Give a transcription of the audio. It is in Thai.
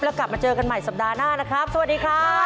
แล้วกลับมาเจอกันใหม่สัปดาห์หน้านะครับสวัสดีครับ